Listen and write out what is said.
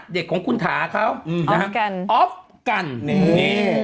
เด็กของคุณถาเขาอืมนะฮะออฟกันนี่